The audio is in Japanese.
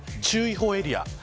注意報エリア